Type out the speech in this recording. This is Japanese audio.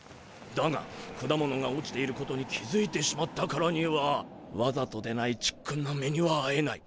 だが果物が落ちていることに気づいてしまったからにはわざとでないちっくんな目にはあえない。